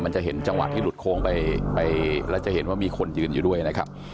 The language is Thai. จะเห็นจังหวะที่หลุดโค้งไปแล้วจะเห็นว่ามีคนยืนอยู่ด้วยนะครับ